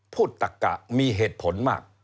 พูดตะกะมีเหตุผลมาก